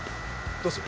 どうする？